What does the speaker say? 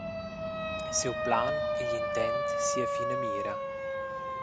Siu plan, igl intent, sia finamira.